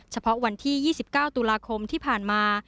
เฉพาะวันที่๒๙ตุลาคมที่ผ่านมา